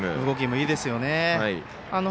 動きもいいですね。